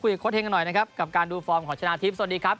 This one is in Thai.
โค้เฮงกันหน่อยนะครับกับการดูฟอร์มของชนะทิพย์สวัสดีครับ